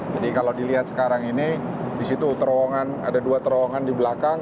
jadi kalau dilihat sekarang ini disitu terowongan ada dua terowongan di belakang